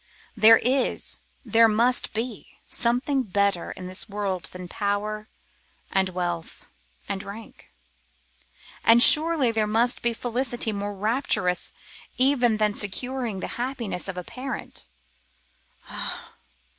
There is, there must be, something better in this world than power and wealth and rank; and surely there must be felicity more rapturous even than securing the happiness of a parent.